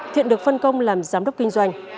thiện được phân công làm giám đốc kinh doanh